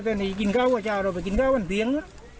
แต่เนี่ยกินข้าวงอเจ้าข้าวไปกินข้าวขนเตียง